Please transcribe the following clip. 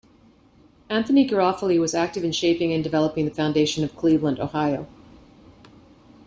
Anthony Garofoli was active in shaping and developing the foundation of Cleveland, Ohio.